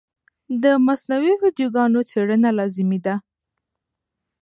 د مصنوعي ویډیوګانو څېړنه لازمي ده.